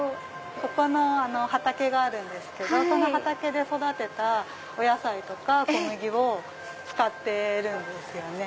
ここの畑があるんですけどその畑で育てたお野菜とか小麦を使ってるんですよね。